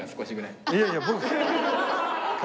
いやいや。